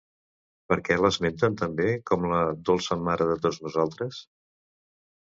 Per què l'esmenten també com la dolça Mare de tots nosaltres?